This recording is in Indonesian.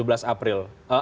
apa yang ingin disampaikan